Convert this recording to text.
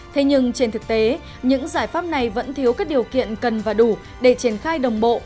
thế nhưng trên thực tế những giải pháp này vẫn thiếu các điều kiện cần và đủ để triển khai đồng bộ